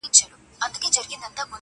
• راغلی مه وای زما له هیواده -